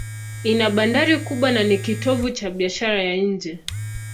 Ina bandari kubwa na ni kitovu cha biashara ya nje.